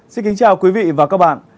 xin kính chào quý vị và các bạn